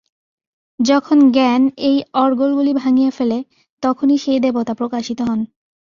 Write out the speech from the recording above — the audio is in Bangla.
যখন জ্ঞান এই অর্গলগুলি ভাঙিয়া ফেলে, তখনই সেই দেবতা প্রকাশিত হন।